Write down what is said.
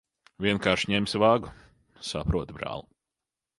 Vienkārši ņemsi vagu? Saprotu, brāl'.